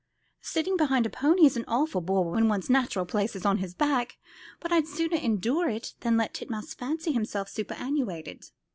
Sitting behind a pony is an awful bore when one's natural place is on his back, but I'd sooner endure it than let Titmouse fancy himself superannuated."